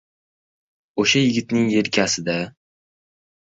— O‘sha yigitning yelkasi-da.